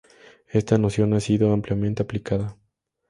Esta noción ha sido ampliamente aplicada.